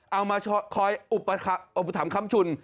เอามาคอยอุปถัมภำชุน